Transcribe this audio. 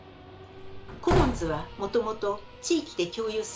コモンズはもともと地域で共有する資産